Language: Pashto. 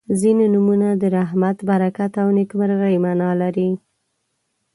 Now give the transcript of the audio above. • ځینې نومونه د رحمت، برکت او نیکمرغۍ معنا لري.